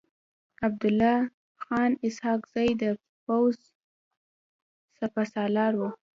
عبدالله خان اسحق زی د پوځ سپه سالار و.